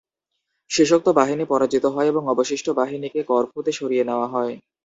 শেষোক্ত বাহিনী পরাজিত হয় এবং অবশিষ্ট বাহিনীকে করফুতে সরিয়ে নেয়া হয়।